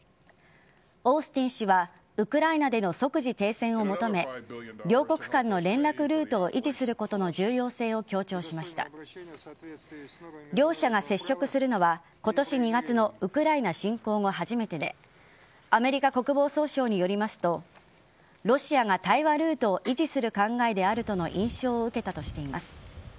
オースティン氏はウクライナでの即時停戦を求め両国間の連絡ルートを維持することの重要性を強調しました。両者が接触するのは今年２月のウクライナ侵攻後、初めてでアメリカ国防総省によりますとロシアが対話ルートを維持する考えであるとの印象を受けたとしています。